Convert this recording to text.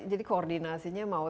jadi koordinasinya mau